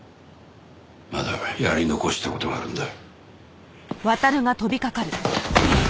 まだやり残した事があるんだ。